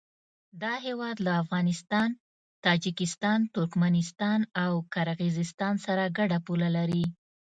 دا هېواد له افغانستان، تاجکستان، ترکمنستان او قرغیزستان سره ګډه پوله لري.